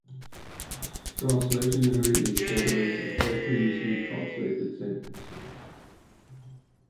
Translation memory is a database of all previously translated sentences.